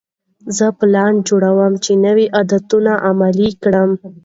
زه پلان جوړوم چې نوي عادتونه عملي کړم.